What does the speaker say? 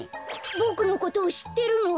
ボクのことをしってるの？